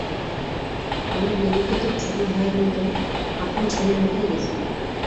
আমি বেণুকে তোর ছোটো ভাইয়ের মতো, আপন ছেলের মতোই দেখি।